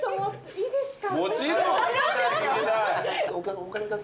いいですか？